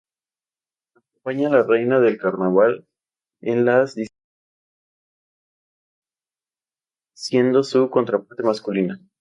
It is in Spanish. Acompaña a la reina del carnaval en las distintas actividades, siendo su contraparte masculina.